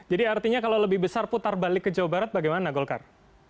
jadi artinya kalau lebih besar putar balik ke jawa barat bagaimana golkar